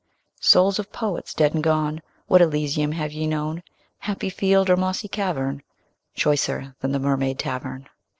Souls of Poets dead and gone, What Elysium have ye known, Happy field or mossy cavern, Choicer than the Mermaid Tavern?